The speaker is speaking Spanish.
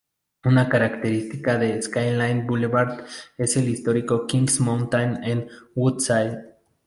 Una característica de Skyline Boulevard es el histórico Kings Mountain en Woodside.